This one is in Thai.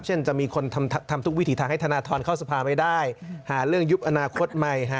จะมีคนทำทุกวิถีทางให้ธนทรเข้าสภาไม่ได้หาเรื่องยุบอนาคตใหม่